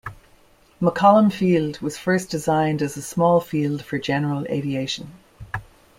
McCollum Field was first designed as a small field for general aviation.